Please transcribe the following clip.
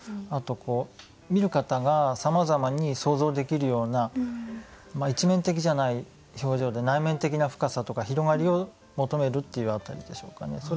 あと見る方がさまざまに想像できるような一面的じゃない表情で内面的な深さとか広がりを求めるっていう辺りでしょうかね。